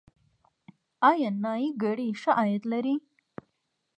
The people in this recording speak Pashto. آیا نایي ګري ښه عاید لري؟